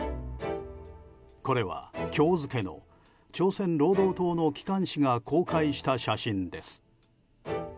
これは今日付の朝鮮労働党の機関紙が公開した写真です。